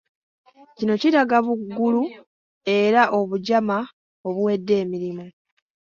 Kino kiraga buggulu era obujama obuwedde emirimu.